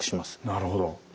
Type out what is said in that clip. なるほど。